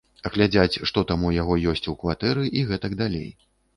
Глядзяць, што там у яго ёсць у кватэры, і гэтак далей.